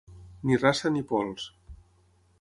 Ni raça ni pols.